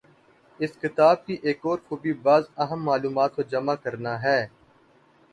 اس کتاب کی ایک اور خوبی بعض اہم معلومات کو جمع کرنا ہے۔